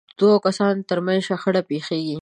د دوو کسانو ترمنځ شخړه پېښېږي.